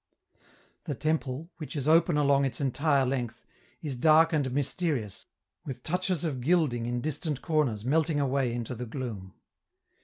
The temple, which is open along its entire length, is dark and mysterious, with touches of gilding in distant corners melting away into the gloom.